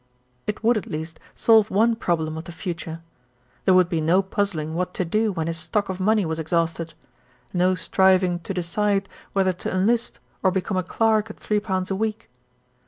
It would, at least, solve one problem of the future. There would be no puzzling what to do when his stock of money was exhausted; no striving to decide whether 44 THE RETURN OF ALFRED to enlist or become a clerk at three pounds a week.